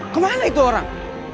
kemana itu orang